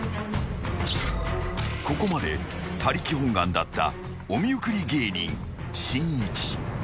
［ここまで他力本願だったお見送り芸人しんいち］